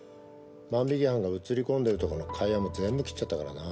万引犯が写り込んでるとこの会話も全部切っちゃったからな。